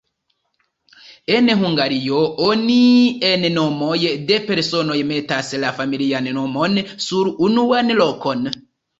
En Hungario, oni en nomoj de personoj metas la familian nomon sur unuan lokon.